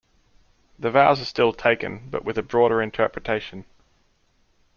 The vows are still taken, but with a broader interpretation.